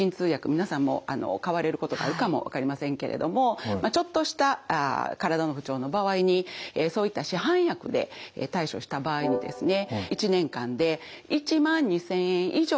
皆さんも買われることがあるかも分かりませんけれどもちょっとした体の不調の場合にそういった市販薬で対処した場合にですね